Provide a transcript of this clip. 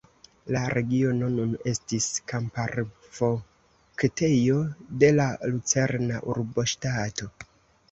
La regiono nun estis kamparvoktejo de la lucerna urboŝtato.